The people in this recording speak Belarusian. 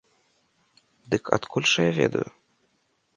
Дык адкуль жа я ведаю?